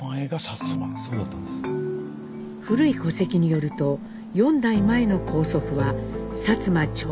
古い戸籍によると４代前の高祖父は薩摩長吉。